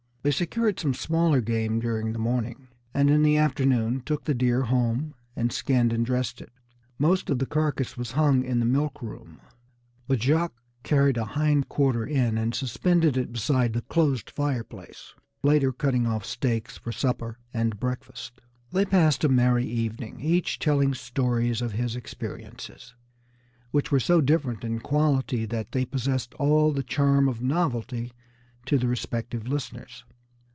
They secured some smaller game during the morning, and in the afternoon took the deer home, and skinned and dressed it. Most of the carcass was hung up in the milk room, but Jacques carried a hind quarter in and suspended it beside the closed fireplace, later cutting off steaks for supper and breakfast. They passed a merry evening, each telling stories of his experiences, which were so different in quality that they possessed all the charm of novelty to the respective listeners.